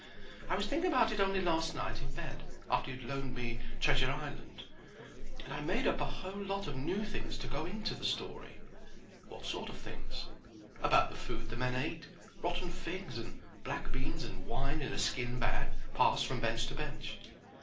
I was thinking about it only last night in bed, after you had loaned me 'Treasure Island'; and I made up a whole lot of new things to go into the story." "What sort of things?" "About the food the men ate; rotten figs and black beans and wine in a skin bag, passed from bench to bench."